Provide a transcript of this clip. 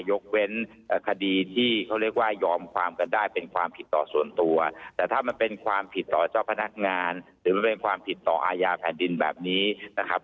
ยกเว้นคดีที่เขาเรียกว่ายอมความกันได้เป็นความผิดต่อส่วนตัวแต่ถ้ามันเป็นความผิดต่อเจ้าพนักงานหรือมันเป็นความผิดต่ออาญาแผ่นดินแบบนี้นะครับ